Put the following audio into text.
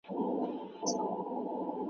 ولې ژبه اړیکې نږدې کوي؟